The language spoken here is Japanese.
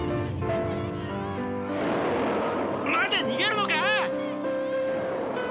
待て逃げるのか？